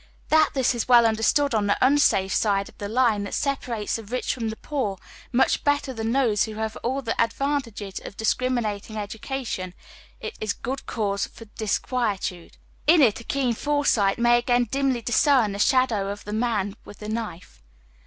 That this is well understood on the " un safe "side of the line that separates tlie rich from the poor, much better than by those who liave all the advan tages of discriminating education, is good canse for dis quietude. In it a keen foresight may again dimly discern the shadow of the man with the knife.